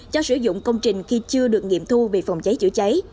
cho sử dụng công trình khi chưa được nghiệm thu về phòng cháy chữa cháy